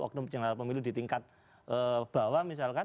oknum penyelenggara pemilu di tingkat bawah misalkan